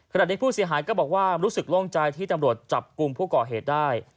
ในผู้เสียหายก็บอกว่ารู้สึกโล่งใจที่ตำรวจจับกลุ่มผู้ก่อเหตุได้